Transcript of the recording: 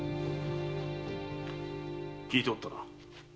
聞いておったな？